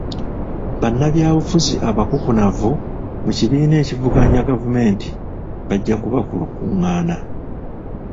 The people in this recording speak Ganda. Bannabyabufuzi abakukunavu mu kibiina ekivuganya gavumenti bajja kuba ku lukungaana.